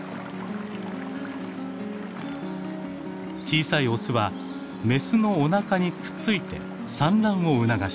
小さいオスはメスのおなかにくっついて産卵を促します。